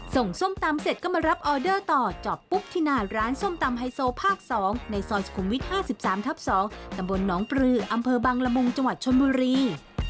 ส้มตำเสร็จก็มารับออเดอร์ต่อจอบปุ๊บที่หน้าร้านส้มตำไฮโซภาค๒ในซอยสุขุมวิท๕๓ทับ๒ตำบลหนองปลืออำเภอบังละมุงจังหวัดชนบุรี